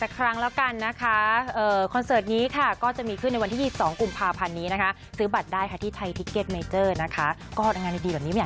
ก็งานดีแบบนี้ไม่อยากให้พลาดกันเนาะ